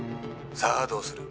「さあどうする？」